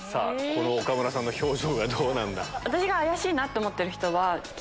この岡村さんの表情はどうなんだ？